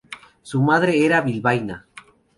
Su madre era bilbaína.